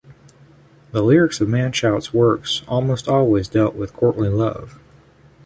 The lyrics of Machaut's works almost always dealt with courtly love.